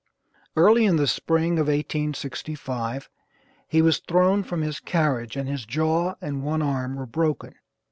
Early in the spring of 1865 he was thrown from his carriage, and his jaw and one arm were broken.